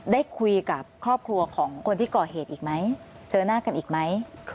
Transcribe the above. ได้คุยกับครอบครัวของคนที่ก่อเหตุอีกไหมเจอหน้ากันอีกไหม